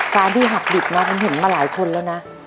การที่หักดิบนะผมเห็นมาหลายคนแล้วนะ